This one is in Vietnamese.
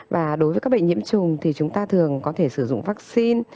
và đối với các bệnh nhiễm trùng thì chúng ta thường có thể sử dụng vaccine